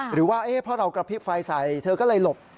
หรือว่าเพราะเรากระพริบไฟใส่เธอก็เลยหลบ